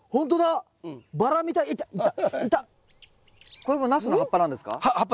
これもナスの葉っぱなんですか？